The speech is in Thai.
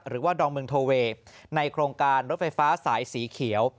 หรือว่าดองมึงโทเวในโครงการรถไฟฟ้าสายสีเขียว